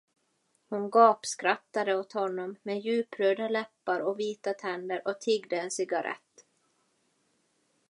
Hon gapskrattade åt honom med djupröda läppar och vita tänder och tiggde en cigarrett.